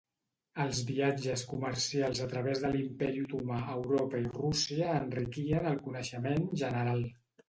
Els viatges comercials a través de l'Imperi Otomà, Europa i Rússia enriquien el coneixement general.